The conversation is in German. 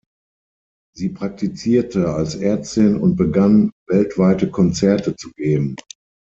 Sie praktizierte als Ärztin und begann, weltweite Konzerte zu geben.